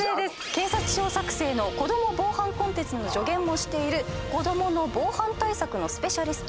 警察庁作成の子ども防犯コンテンツの助言もしている子どもの防犯対策のスペシャリスト